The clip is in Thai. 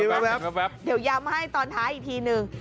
เดี๋ยวย้ำให้ตอนท้ายอีกทีนึง